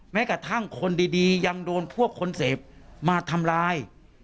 แม้กระทั่งคนดียังโดนพวกคนเสพมาทำร้าย